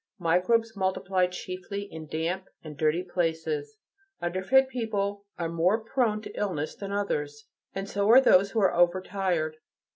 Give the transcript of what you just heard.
Microbes multiply chiefly in damp and dirty places; underfed people are more prone to illness than others, and so are those who are overtired.